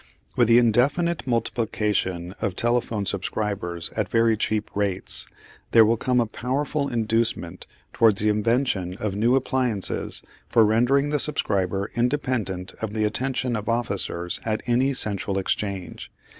With the indefinite multiplication of telephone subscribers at very cheap rates, there will come a powerful inducement towards the invention of new appliances for rendering the subscriber independent of the attention of officers at any central exchange.